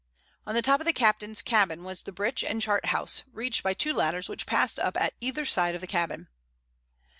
On the top of the captain's cabin was the bridge and chart house, reached by two ladders which passed up at either side of the cabin.